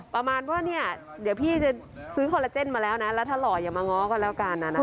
ประมาณว่าเนี่ยเดี๋ยวพี่จะซื้อคอลลาเจนมาแล้วนะแล้วถ้าหล่ออย่ามาง้อก็แล้วกัน